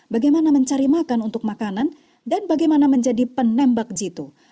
bagaimana mencari makan untuk makanan dan bagaimana menjadi penembak jitu